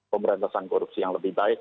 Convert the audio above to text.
pemberantasan korupsi yang lebih baik